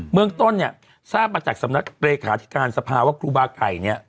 เมืองต้นเนี่ยทราบมาจากสำนักเลขาธิการสภาว่าครูบาไก่เนี่ย